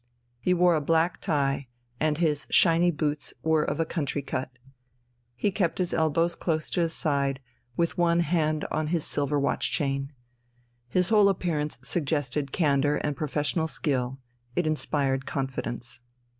He wore a black tie, and his shiny boots were of a country cut. He kept his elbows close to his side, with one hand on his silver watch chain. His whole appearance suggested candour and professional skill; it inspired confidence.